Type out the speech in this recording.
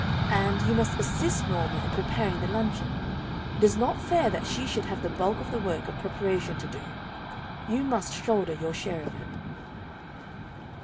And, you must assist Norma in preparing the luncheon. It is not fair that she should have the bulk of the work of preparation to do. You must shoulder your share of it."